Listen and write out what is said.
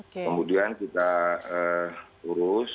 kemudian kita urus